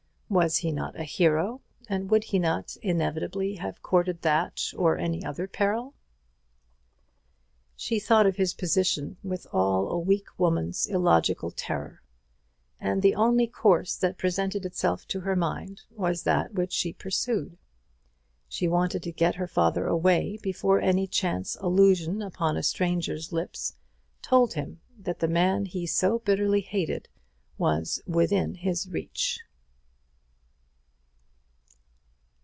Was he not a hero, and would he not inevitably have courted that or any other peril? She thought of his position with all a weak woman's illogical terror; and the only course that presented itself to her mind was that which she pursued. She wanted to get her father away before any chance allusion upon a stranger's lips told him that the man he so bitterly hated was within his reach.